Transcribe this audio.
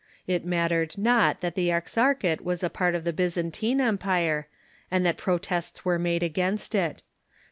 It mattered not that the Exarchate was a part of the Byzan tine Empire, and that protests were made against it.